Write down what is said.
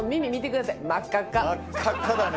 真っ赤っかだね。